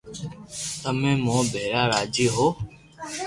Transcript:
تمي مون ڀيرا راجي ھون